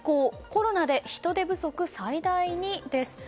コロナで人手不足最大にです。